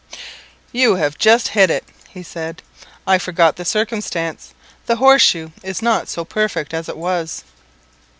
"You have just hit it," he said; "I forgot the circumstance. The Horse shoe is not so perfect as it was."